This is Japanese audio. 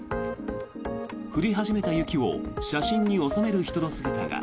降り始めた雪を写真に収める人の姿が。